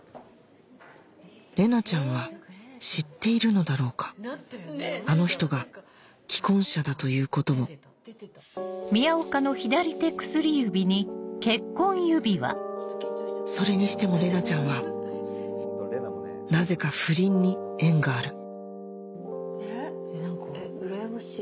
玲奈ちゃんは知っているのだろうかあの人が既婚者だということをそれにしても玲奈ちゃんはなぜか不倫に縁があるうらやましい。